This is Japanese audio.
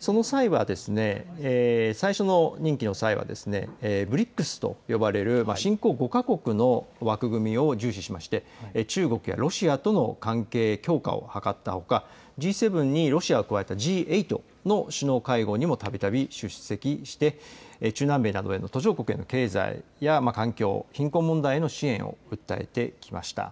その際は最初の任期の際はＢＲＩＣＳと呼ばれる新興５か国の枠組みを重視して中国やロシアとの関係強化を図ったほか、Ｇ７にロシアを加えたＧ８の首脳会合にもたびたび出席して中南米など途上国への経済や環境、貧困問題への支援を訴えてきました。